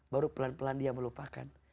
baru pelan pelan dia melupakan